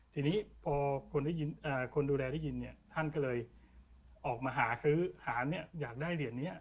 ทีนี้พอคนดูแลได้ยินเนี่ยท่านก็เลยออกมาหาซื้อหาเนี่ยอยากได้เหรียญนี้